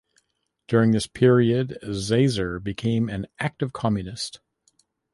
During this period, Zaisser became an active communist.